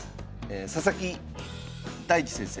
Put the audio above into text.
佐々木大地先生。